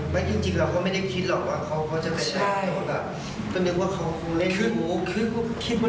ผมก็เลยต้องน้ำปากแล้วก็พยายาม